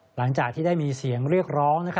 หลังจากที่ได้มีเสียงเรียกร้อง